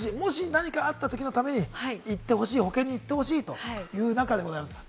何かあったときのために行ってほしい、保険として行ってほしいという中です。